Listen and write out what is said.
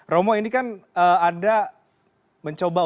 romo ini kan anda mencoba untuk